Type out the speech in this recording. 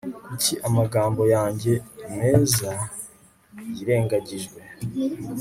Kuki amagambo yanjye meza yirengagijwe